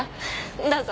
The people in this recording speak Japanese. どうぞ。